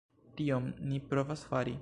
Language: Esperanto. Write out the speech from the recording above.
Tion ni provas fari.